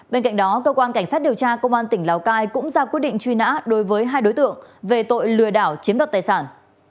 bên cạnh đó cơ quan cảnh sát điều tra công an tỉnh lào cai cũng ra quyết định truy nã đối với hai đối tượng về tội lừa đảo chiếm đoạt tài sản